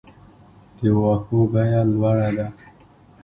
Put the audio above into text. د واښو بیه لوړه ده؟